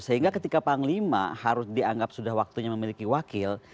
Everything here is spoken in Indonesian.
sehingga ketika panglima harus dianggap sudah waktunya memiliki wakil